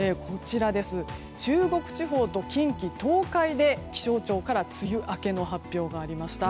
中国地方と近畿・東海で気象庁から梅雨明けの発表がありました。